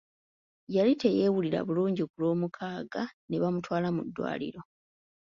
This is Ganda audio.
Yali teyeewulira bulungi ku Lwomukaaga ne bamutwala mu ddwaliro.